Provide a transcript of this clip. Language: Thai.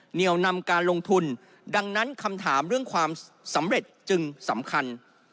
เหนียวนำการลงทุนดังนั้นคำถามเรื่องความสำเร็จจึงสำคัญ